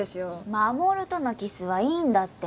衛とのキスはいいんだって